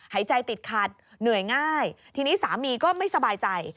หายใจติดขัดเหนื่อยง่ายทีนี้สามีก็ไม่สบายใจ